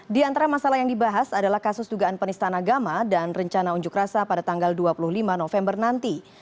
di antara masalah yang dibahas adalah kasus dugaan penistaan agama dan rencana unjuk rasa pada tanggal dua puluh lima november nanti